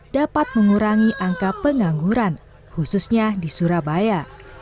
dapat mengurangi angka pengangguran khususnya di surabaya